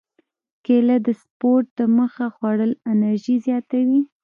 کېله د سپورت دمخه خوړل انرژي زیاتوي.